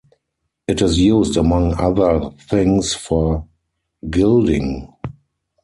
It is used among other things for gilding.